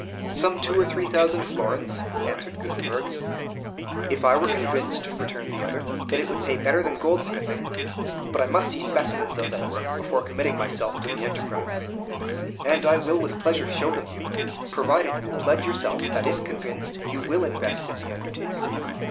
"Some two or three thousand florins," answered Gutenberg. "If I were convinced," returned the other, "that it would pay better than goldsmithing, but I must see specimens of thy work, before committing myself to the enterprise." "And I will with pleasure show them you, provided you will pledge yourself that, if convinced, you will invest in the undertaking.